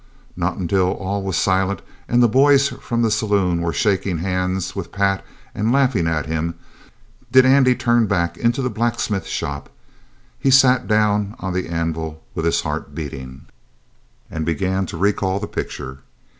Not until all was silent, and the boys from the saloon were shaking hands with Pat and laughing at him, did Andy turn back into the blacksmith shop. He sat down on the anvil with his heart beating, and began to recall the picture.